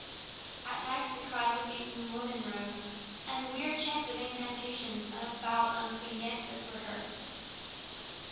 At night the cries of beaten women rose, and the weird chants of incantations and of foul unclean dances were heard.